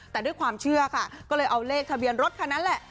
แต่ด้วยความเชื่อค่ะก็เลยเอาเลขทะเบียนรถคันนั้นแหละ